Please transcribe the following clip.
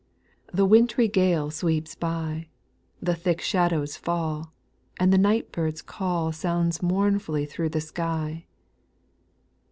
The wintry gale sweeps by, The thick shadows fall, and the night bird's call Sounds mournfully thro' the sky.